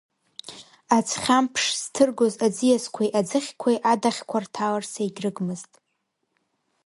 Аӡхьамԥш зҭыргоз аӡиасқәеи аӡыхьқәеи адаӷьқәа рҭаларц егьрыгмызт.